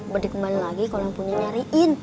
berdekembali lagi kalo yang punya nyariin